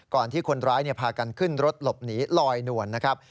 ที่คนร้ายพากันขึ้นรถหลบหนีลอยนวลนะครับ